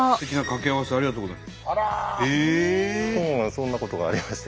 そんなことがありまして。